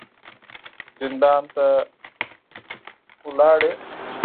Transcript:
زندان ته ولاړې.